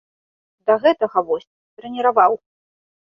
Да гэтага вось, трэніраваў.